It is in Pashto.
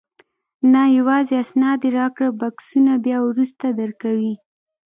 نه، یوازې اسناد یې راکړل، بکسونه بیا وروسته درکوي.